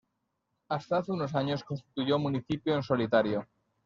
Hasta hace unos años constituyó municipio en solitario.